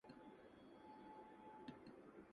It has been cited as Hemingway's last book.